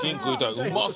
うまそう。